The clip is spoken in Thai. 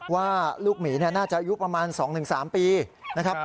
ว่าลูกหมีน่าจะอายุประมาณ๒๓ปีนะครับ